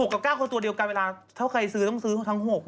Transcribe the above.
๖กับ๐๙คนตัวเดียวกันเวลาเท่าใครซื้อต้องซื้อทั้ง๐๖กับ๐๙